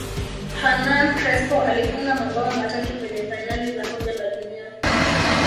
hernan crespo alifunga mabao matatu kwenye fainali za kombe la dunia